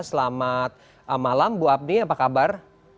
selamat malam bu apni apa kabar